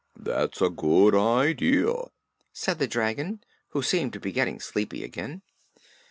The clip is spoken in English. "That's a good idea," said the dragon, who seemed to be getting sleepy again.